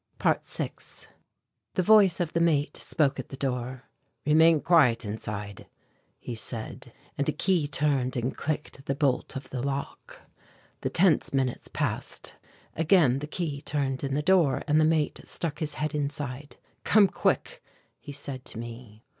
~6~ The voice of the mate spoke at the door: "Remain quiet inside," he said, and a key turned and clicked the bolt of the lock. The tense minutes passed. Again the key turned in the door and the mate stuck his head inside. "Come quick," he said to me.